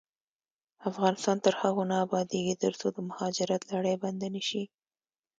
افغانستان تر هغو نه ابادیږي، ترڅو د مهاجرت لړۍ بنده نشي.